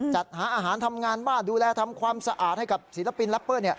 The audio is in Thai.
จัดหาอาหารทำงานบ้านดูแลทำความสะอาดให้กับศิลปินแรปเปอร์